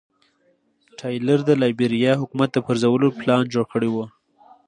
ټایلر د لایبیریا حکومت د پرځولو پلان جوړ کړی و.